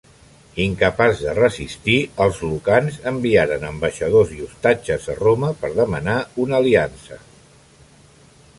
Incapaç de resistir, els lucans enviaren ambaixadors i ostatges a Roma per demanar una aliança.